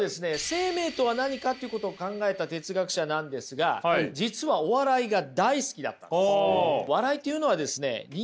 生命とは何かっていうことを考えた哲学者なんですが実はお笑いが大好きだったんです。